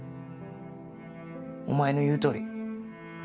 お前の言う通り。